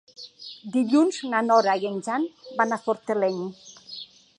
Dilluns na Nora i en Jan van a Fortaleny.